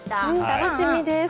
楽しみです。